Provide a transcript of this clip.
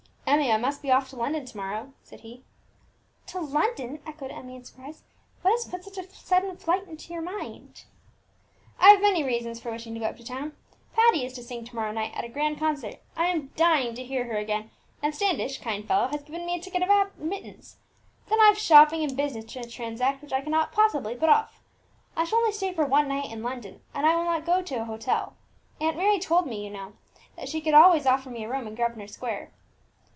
"Emmie, I must be off to London to morrow," said he. "To London!" echoed Emmie in surprise. "What has put such a sudden flight into your mind?" "I've many reasons for wishing to go up to town. Patti is to sing to morrow night at a grand concert; I am dying to hear her again, and Standish kind fellow! has given me a ticket of admittance. Then I've shopping and business to transact which I cannot possibly put off. I shall only stay for one night in London, and I will not go to a hotel. Aunt Mary told me, you know, that she could always offer me a room in Grosvenor Square."